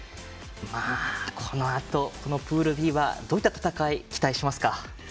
このあと、プールＢはどういった戦いを期待しますか？